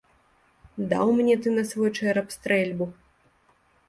Даў мне ты на свой чэрап стрэльбу!